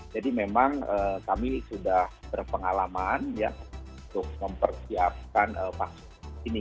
jadi memang kami sudah berpengalaman untuk mempersiapkan vaksin